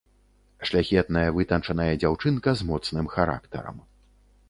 Шляхетная вытанчаная дзяўчынка з моцным характарам.